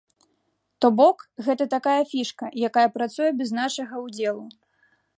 То бок, гэта такая фішка, якая працуе без нашага ўдзелу.